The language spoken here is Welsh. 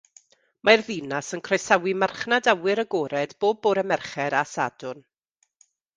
Mae'r ddinas yn croesawu marchnad awyr agored bob bore Mercher a Sadwrn.